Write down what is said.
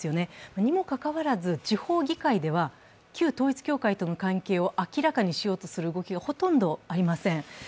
にもかかわらず地方議会では旧統一教会との関係を明らかにしようとする動きがほとんどありません。